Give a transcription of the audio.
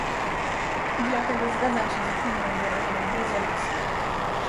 Dlatego zgadzam się z opinią wyrażoną w rezolucji